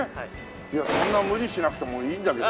そんな無理しなくてもいいんだけど。